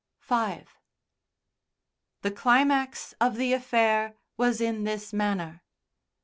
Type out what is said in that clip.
V The climax of the affair was in this manner.